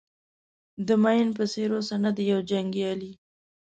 د مین په څېر اوسه نه د یو جنګیالي.